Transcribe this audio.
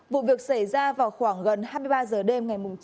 vụ việc xảy ra vào khoảng gần hai mươi ba h đêm ngày